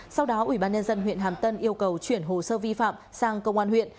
sau đó ubnd huyện hàm tân yêu cầu chuyển hồ sơ vi phạm sang công an huyện